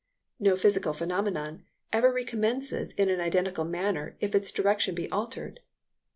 No physical phenomenon ever recommences in an identical manner if its direction be altered.